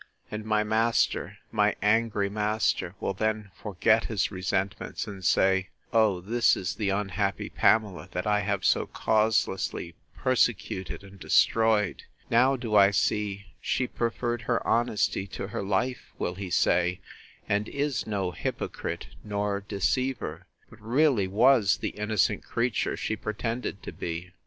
—And my master, my angry master, will then forget his resentments, and say, O, this is the unhappy Pamela! that I have so causelessly persecuted and destroyed! Now do I see she preferred her honesty to her life, will he say, and is no hypocrite, nor deceiver; but really was the innocent creature she pretended to be!